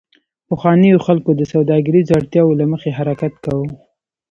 پخوانیو خلکو د سوداګریزو اړتیاوو له مخې حرکت کاوه